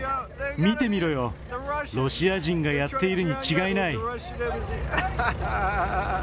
見てみろよ、ロシア人がやっているに違いない。